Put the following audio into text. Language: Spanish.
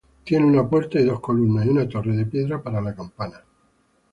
Tiene una puerta y dos columnas y una torre de piedra para la campana.